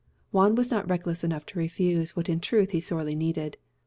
Juan was not reckless enough to refuse what in truth he sorely needed.